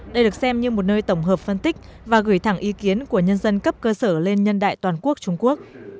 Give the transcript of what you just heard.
đây được xem như một nơi tổng hợp phân tích và gửi thẳng ý kiến của nhân dân cấp cơ sở lên nhân đại toàn quốc trung quốc